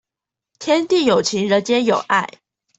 天地有情，人間有愛